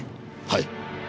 はい。